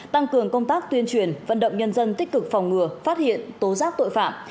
tăng cường công tác tuyên truyền vận động nhân dân tích cực phòng ngừa phát hiện tố giác tội phạm